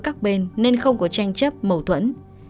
các bên nên không có tranh chấp mâu thuẫn